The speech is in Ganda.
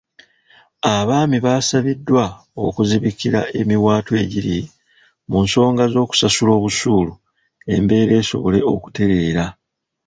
Abaami baasabiddwa okuzibikira emiwaatwa egiri mu nsonga z'okusasula obusuulu embeera esobole okutereera.